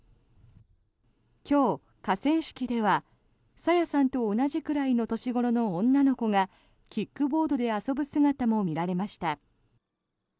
今日、河川敷では朝芽さんと同じくらいの年頃の女の子がキックボードで遊ぶ姿も見られました。